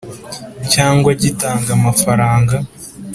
cyangwa gitanga amafaranga